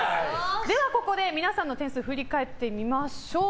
では、ここで皆さんの点数振り返ってみましょう。